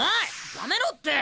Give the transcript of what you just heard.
やめろって！